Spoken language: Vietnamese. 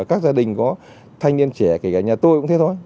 các gia đình có thanh niên trẻ kể cả nhà tôi cũng thế thôi